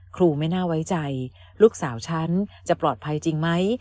ไม่น่าไว้ใจลูกสาวฉันจะปลอดภัยจริงไหม